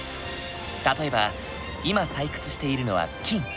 例えば今採掘しているのは金。